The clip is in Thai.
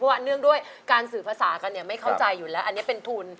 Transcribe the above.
เนื่องด้วยการสื่อภาษากันเนี่ยไม่เข้าใจอยู่แล้วอันนี้เป็นทุน